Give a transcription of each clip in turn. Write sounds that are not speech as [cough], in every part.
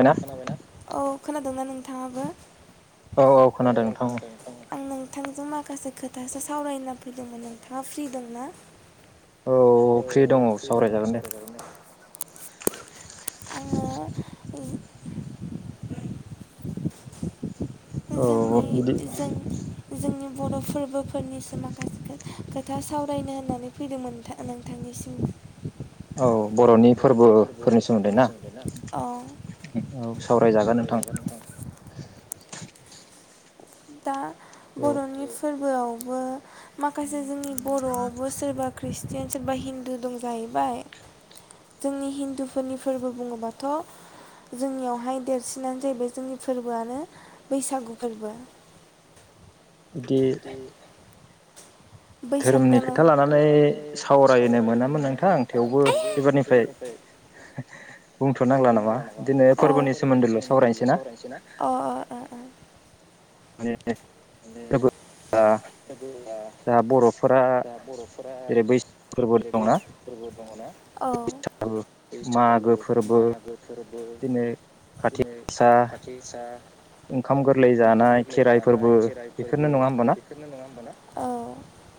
खोनाबाय ना औ खोनादों ना नों? नोथाङाबो औ औ खोनादों नोंथां आं नों नोंथांजों माखासे खोथासो सावरायनो फैदोंमोन नोंथाङा फ्रि दं ना? औ फ्रि दंमोन सावराय जागोन। आङो ओम, औ बिदि जोंनि बर' फोरबोफोरनिसो माखासे खोथा खोथा सावरायनो होननानै फैदोंमोन नोंथां-नोंथांनिसिम, औ बर'नि फोरबोफोरनि सोमोन्दै ना औ सावरायजागोन नोंथां। दा बर'नि फोर फोरावबो माखासे जोंनि बर'आवबो सोरबा ख्रिषटियान सोरबा हिन्दु दं जाहैबाय जोंनि हिन्दुफोरनि फोरबो बुङोबाथ' जोंनियावहाय देरसिनानो जाहैबाय जोंनि फोरबोआनो बैसागु फोरबो। इदि बैसाग दाेनाव खोथा लानानै सावरायनो मोनामोन नोंथां आं बेबोरनिफ्राय बुंफ नांला नामा फोरबोनि सोमोन्दैल' सावरायनोसै ना? माने [unintelligible] जोङा बर' फोरा बैसागु फोरबो दङना औ औ।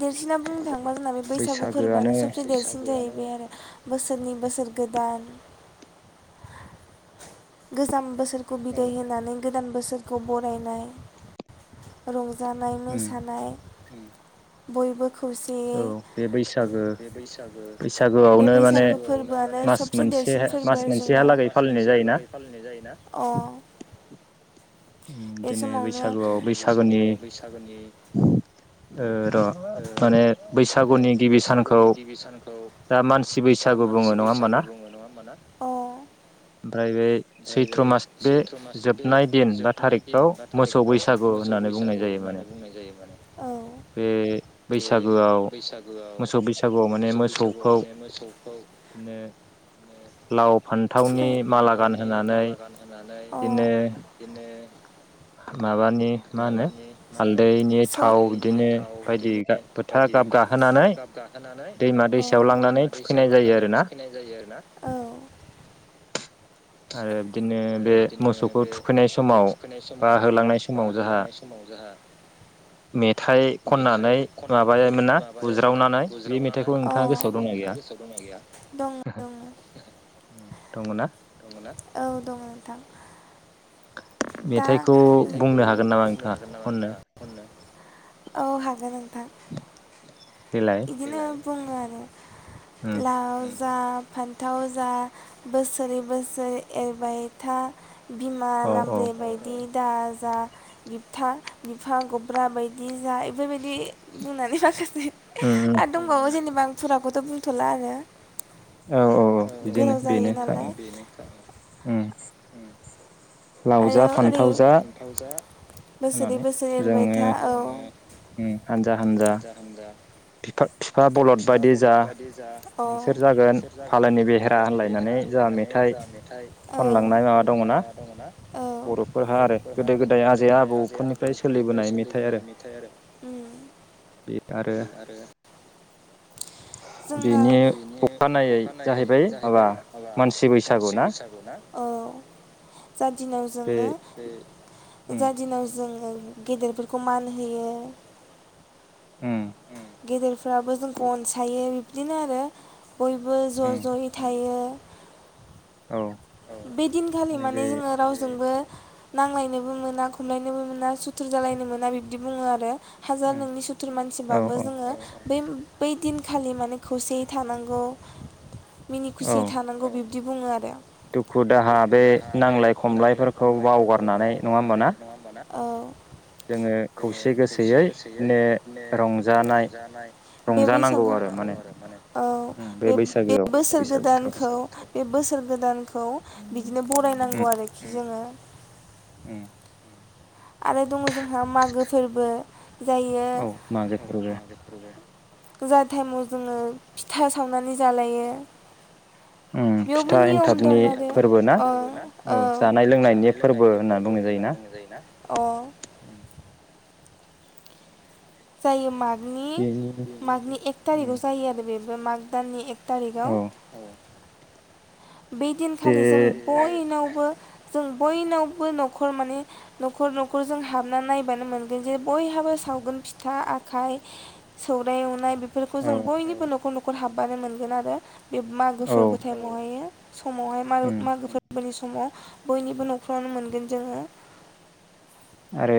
देरसिना बुंनो थाङोबा जोंना बे बैसागु फोरबोयानो सबसे देरसिन जाहैबाय आरो बोसोरनि बोसोर गोदान गोजाम बोसोरखौ बिदाय होनानै गोदान बोसोरखौ बरायनाय रं रंजानाय जानाय मोसानाय बयबो खौसेयै बे बैसागु फोरबोयानो सबसे देरसिन फोरबो जोंना। अ बिदिनो बैसागुयाव बैसा सागुयाव बैसागोनि गुनि ओ र' माने बैसागुनि गिबि सानखौ दा मानसि बैसागु बुङो नङा होमबा ना? अ ओमफ्राय बे सैथ्र' मास बे जोबनाय दिन बा थारिगखौ मोसौ बैसागु सौ बैसागु होननानै बुंनाय जायो माने औ बे बैसागुआव मोसौ बैसागुआव माने मोसौखौ लाव फान्थावनि माला गानहानै बिदिनो माने मा होनो हालदैनि थाव बिदिनो बायदि गा फोथा गाब गाहोनानै दैमा दैसायाव लांनानै थुखैनाय जायो आरोना आरो बिदिनो बे मोसौखौ थुखैनाय समाव बा होलांनाय अ दं दं दङ ना? औ दङ नोंथां। दा इदिनो बुङो आरो लाव जा फान्थाव जा बोसोरै बोसोरै एरबाय था बिमा लामब्रे बायदि दाजा बिबथा बिफां गब्रा बाय दि जाय इफोरबायदि बुंनानै माखासे आरो दंबावो जेनोबा आं फुरा बेखौथ' बुंथ'ला आरो औ गोलाव जाहै नालाय आरो ओरै बोसोरै बोसोरै एरबाय था औ फिफा फिफा बलब बायदि जा अ नोंसोर जागोन फालायनि बेहेरा होनलायनानै जा मेथाइ खनलांनाय माबा दङ ना ओ बर'फोरहा आरो गोदो गोदाय आजैआ आबौफोरनिफ्राय सोलिबोनाय मेथाइ आरो आरो जोंना बेनि अखानायै जाहैबाय माबा मोनानसि बैसागु ना औ जा दिनाव जोङो जा दिनाव जोङो गेदेरफोरखौ मान होयो। गेदेरफ्राबो जोंखौ अनसायो। बिदिनो आरो। बयबो ज' ज'यै थायो बे दिनखालि माने जोङो रावजोंबो नांलायनोबो मोना खमलायनोबो मोना सुथुर जालायनो मोना बिब्दि बुङो आरो हाजार नोंनि सुथुर मानसिबाबो जोङो बै बै दिनखालि माने खौसेयै थानांगौ। मिनि खुसिय थानांगौ बि बिदि बुङो आरो। दुखु दाहा बे नांलाय खमलायफोरखौ बावगारनानै नङा होमबा ना? औ जोंङो खौसे गोसोयै रंजानाय बे बैसागु औ बे बोसोर गोदानखौ बे बोसोर गोदान खौ बि बिदिनो बरायनांगौ आरोखि जोङो ओम आरो दङ जोंहा मागो फोरबो जायो जा टाइमाव जोङो फिथा सावनानै जालायो बेयावबो नियम दं आरो औ जानाय लोंनायनि फोरबो होनना बुंङो जायोना? अ जायो मा मनि मागनि एक थारिखआव जायो आरो बे बे माग दाननि ए थारिखाव बे दिनखालि जों बयनावबो जों बयनावबो न'खर माने न'खर न'खरजों हाबना नायबानो मोनगोन जे बयहाबो सावगोन फिथा आखाइ सौनाय एवनाय बि बेखौ जों बयनिबो न'खर न'खर खर हाबबानो मोनगोन आरो । बे मागो सोरबो टाइमवहायो । समावहाय मागो मागोफोर स समाव बयनिबो न'खरावनो मोनगोन जोङो । आरो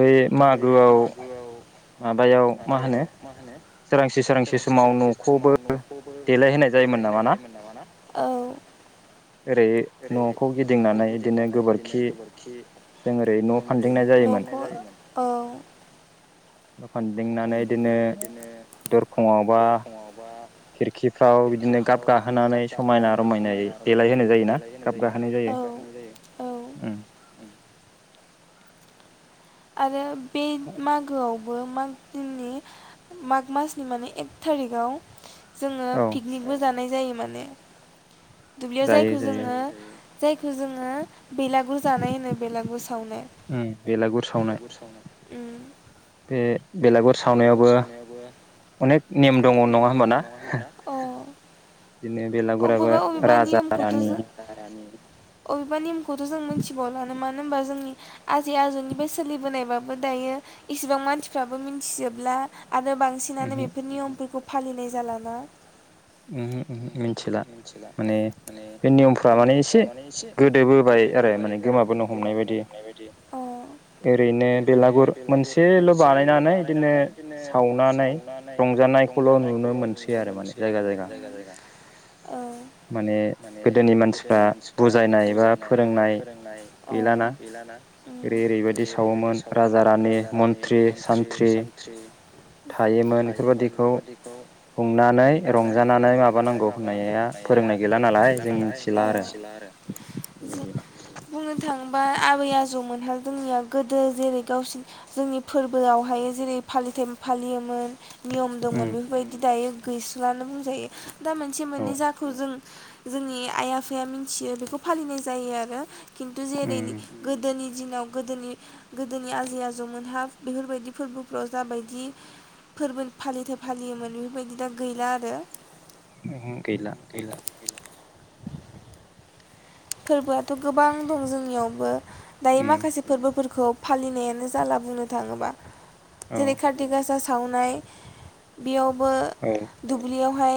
बै मागोआव माबायाव मा होनो सोरांसे सोरांसि समाव न'खौबो देलायहोनाय जायोमोन नामा ना? औ । न'खौ औ। खिरखिफ्राव बिदिनो गाब गाहोनानै औ औ। आरो बे मागोआव बो माग दिननि माग मासनि माने एक थारिखाव जोङो पिकनिकबो जानाय जायो माने दुब्लियाव जायखौ जोङो जायखौ जोङो बेलागुर जानाय होनो बेलागुर सावनाय। उम अ अबेबा अबेबा नियमखौथ' जो अबेबा नियमख खौथ' जों मिथिबावलानो मान मानो होनबा जोंनि आजै आजौनि बेस बोनायबाबो दायो इसिबां मानथिफ्राबो मिथिजोबला आरो बांसिनानो बेफोर नियमफोरखौ फालिनाय जालाना। मिथिला माने बे नियमफ्रा माने एसे गोदो होबाय आरो माने गोमाबोनो हमनाय बायदि ओरैनो बेलागुर मोनसेल' बानायनानै इदिनो सावनानै रंजानायखौल' नुनो मोनसै आरो माने। ओ अ। ओरै ओरै औ जो बुंनो थाङोबा आबै आजौमोनहा जोंनिया गोदो जेरै गावसि जोंनि फोरबोआवहाय जेरै फालिथाय फालियोमोन। नियम दंमोन बेफोरबायदि दायो गैस्रालानो बुंजायो। दा मोनसे मोननै जाखौ जों जोंनि आइ आफाया मिन्थियो बेखौ फालिनाय जायो आरो। खिन्थु जेरैनि गोदोनि दिनाव गोदोनि गोदोनि आजै आजौमोनहा बेफोरबायदि फोरबोफ्राव जाबायदि फोरबो फालिथाय फालियोमोन बेफोरबायदि दा गैला आरो ओहो गैला गैला फोरबोआथ' गोबां दं जोंनियावबो दायो माखासे फोरबोफोर खौ फालिनायानो जाला बुंनो थाङोबा जेरै खाार्थि गासा सावनाय बेयाव बो दुब्लियाव हाय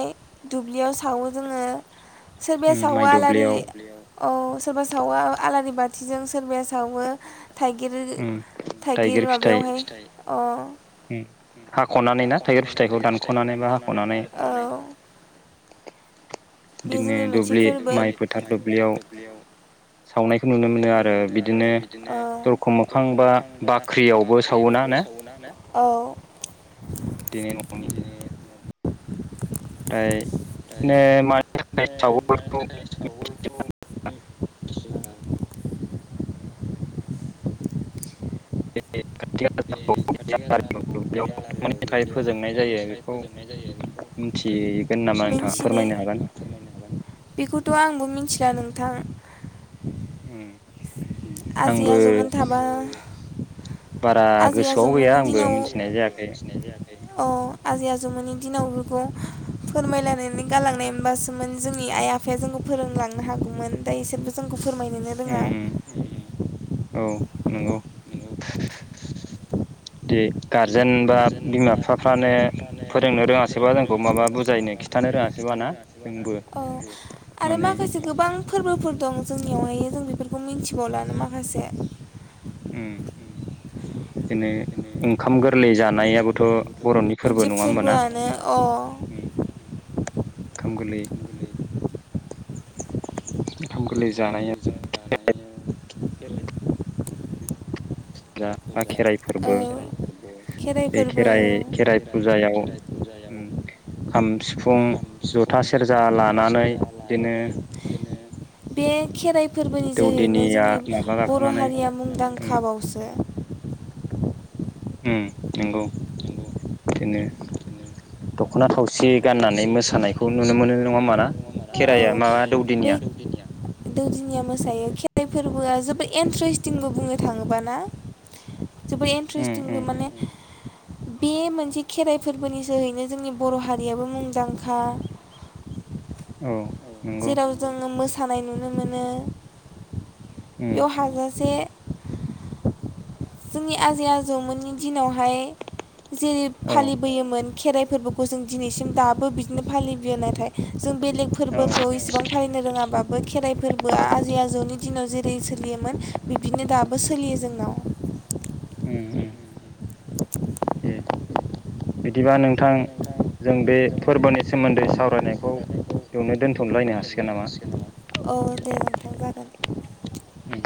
दुब्लियाव सावो जोङो सोरबाया साववा आलारि औ सोरबा सावो आलारि बाथिजों सोरबाया सावो थाइगिर थाइगिर माबायावहाय अ हाख'नानै ना थाइगिर फिथाइखौ दानख'नानै बा औ बे जोंनि मोनसे फोरबो माइ फोथार खोबुब्लियाव सावनायखौ नुनो मोनो आरो बिदिनो दरखं मोखां बा बाख्रियावबो सावोना औ दिनै नङनि ओमफ्रायनो म [unintelligible] मानि थाखाय साववो बिखौ याव थाखाय फोजोंनाय जायो [inaudible] बेखौ [inaudible] गोन नामा नोंथाङा फोरमायनो हागोन बेखौथ' आंबो मिथिला नोंथां हम आंबो बारा गोसोआव गैया आंबो मिथिनाय जायाखै आजै आजौमोननि दिनाव रग फोरमायलायनानै गालांनाय हबासोमोन जोंनि आइ आफाया जोंखौ फोरोंलांनो हागौमोन दा इसोरबो जोंखौ फोरमायनोनो रोङा औ नंगौ दे गारजेन बा बिमा बिफाफ्रानो फोरोंनो रोङासैबा जोंखौ माबा बुजायनो खिथानो रोङासै ब ना जोंबो आरो माखासे गोबां फोरबोफोर दं जोंनियावहाय जों बेफोरखौ मिन्थिबावलानो माखासे बिदिनो ओंखाम गोरलै जानायाबोथ' मोनसे फोरबोआनो अ खामगोलै ओंखाम गोरलै जानाया जा बा खेराइ फोरबो बे खेराइ खेराइ फुजायाव उम खाम सिफुं जथा सेर जा लानानै दिनो बे खेराइ फोरबोनि जोहैनो जोंनि बर' हारिया मुंदांखा बावसो। उम नंगौ बिदिनो दख'ना थावसि गाननानै मोसानायखौ नुनो मोनो नङा होमबा ना? खेराइआ माबा दौदिनिया दौदिनिया मोसायो। खेराइ फोरबोआ जोबोद एनथ्रेसथिंबो बुंनो थाङोबा ना? जोबोद एनथ्रेसथिंबो माने बे मोनसे खेराइ फोरबोनि जोहैनो जोंनि बर' हारियाबो मुंदांखा औ जेराव जोङो मोसानाय नुनो मोनो। बेयाव हाजासे जोंनि आजै आजौमोननि दिनावहाय जेरै फालिबोयोमोन खेराइ फोरबोखौ जों दिनैसिम दाबो बिदिनो फालिबोयो नाथाय जों बेलेग फोरबोखौ इसिबां फालिनो रोङाबाब बो खेराइ फोरबोआ आजै आजौनि दिनाव जेरै सोलियोमोन बिब्दिनो दाबो सोलियो जोंनाव। बिदिबा नों थां जों बे फोरबोनि सोमोन्दै सावरायनायखौ बेयावनो दोन्थ'लायनो हासिगोन नामा? औ दे नोंथां जागोन। उम